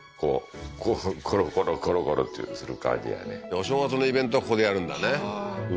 お正月のイベントはここでやるんだね